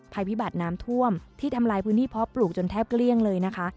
ภัยพิบัติน้ำท่วมที่ทำลายพื้นที่เพาะปลูกจนแทบเกลี้ยงเลยนะคะ